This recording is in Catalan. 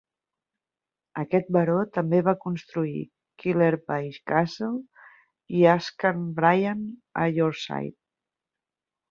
Aquest baró també va construir Killerby Castle i Askham Bryan a Yorkshire.